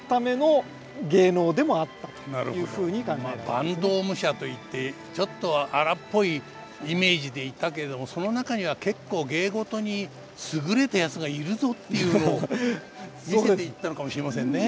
坂東武者といってちょっと荒っぽいイメージでいたけれどもその中には結構芸事に優れた奴がいるぞっていうのを見せていったのかもしれませんね。